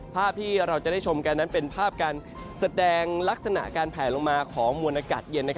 ภาพที่เราจะได้ชมกันนั้นเป็นภาพการแสดงลักษณะการแผลลงมาของมวลอากาศเย็น